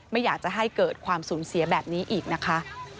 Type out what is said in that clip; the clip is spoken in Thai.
ไม่อยากจะให้เกิดความสูญเสียแบบนี้อีกนะคะ